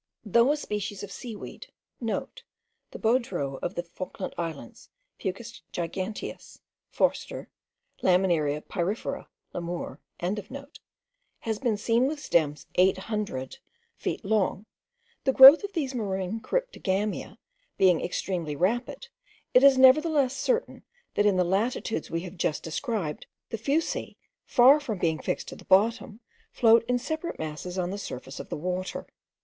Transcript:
Though a species of seaweed* (* The baudreux of the Falkland Islands; Fucus giganteus, Forster; Laminaria pyrifera, Lamour.) has been seen with stems eight hundred feet long, the growth of these marine cryptogamia being extremely rapid, it is nevertheless certain, that in the latitudes we have just described, the Fuci, far from being fixed to the bottom, float in separate masses on the surface of the water.